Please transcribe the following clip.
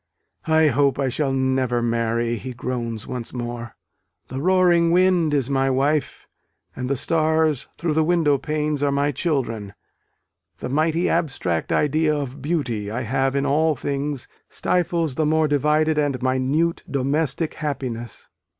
"I hope I shall never marry," he groans once more; "the roaring wind is my wife, and the stars through the window panes are my children: the mighty abstract idea of Beauty I have in all things, stifles the more divided and minute domestic happiness.